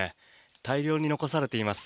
大量に残されています。